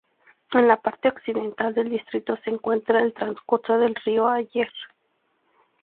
En la parte occidental del distrito se encuentra el transcurso del río Aller.